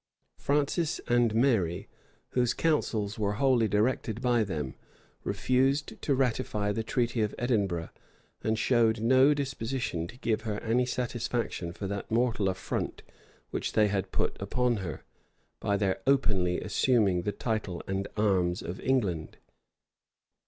Francis and Mary, whose counsels were wholly directed by them, refused to ratify the treaty of Edinburgh and showed no disposition to give her any satisfaction for that mortal affront which they had put upon her, by their openly assuming the title and arms of England.